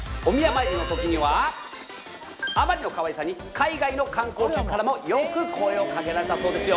あまりのかわいさに海外の観光客からもよく声を掛けられたそうですよ。